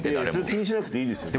気にしなくていいですよ。